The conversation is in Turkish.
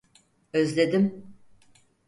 Özledim.